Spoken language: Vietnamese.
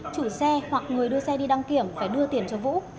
chủ xe hoặc người đưa xe đi đăng kiểm phải đưa tiền cho vũ